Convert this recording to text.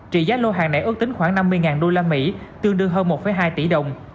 trị giá lô hàng này ước tính khoảng năm mươi usd tương đương hơn một hai tỷ đồng